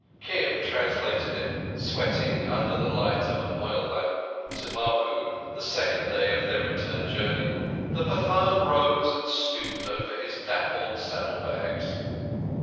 Kim translated it, sweating under the light of an oil lamp, to Mahbub, the second day of their return journey. The Pathan rose and stooped over his dappled saddle bags.